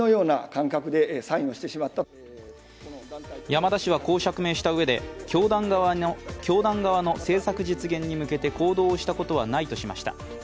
山田氏はこう釈明したうえで、教団側の政策実現に向けて行動をしたことはないとしました。